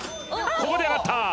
ここで上がった！